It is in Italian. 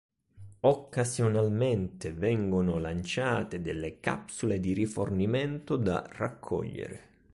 Occasionalmente vengono lanciate delle capsule di rifornimento da raccogliere.